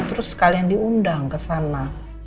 terus sekalian diundang ke sana